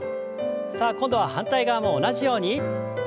さあ今度は反対側も同じように。